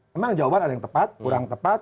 memang jawaban ada yang tepat kurang tepat